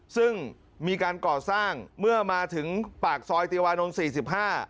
ซึ่งมีการก่อสร้างเมื่อมาถึงปากซอยติวานนท์สี่สิบห้า